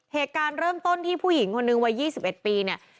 เหตุการณ์เริ่มต้นที่ผู้หญิงคนหนึ่งวัยยี่สิบเอ็ดปีเนี่ย